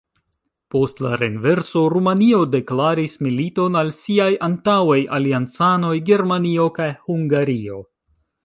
Post la renverso Rumanio deklaris militon al siaj antaŭaj aliancanoj Germanio kaj Hungario.